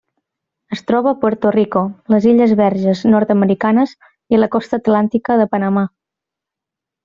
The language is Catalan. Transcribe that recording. Es troba a Puerto Rico, les Illes Verges Nord-americanes i la costa atlàntica de Panamà.